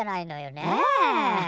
ねえ。